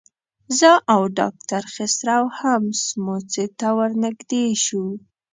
زه او ډاکټر خسرو هم سموڅې ته ورنږدې شو.